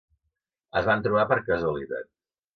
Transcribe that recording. Es van trobar per casualitat.